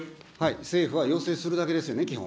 政府は要請するだけですよね、基本。